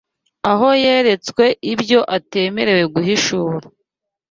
aho yeretswe ibyo atemerewe guhishura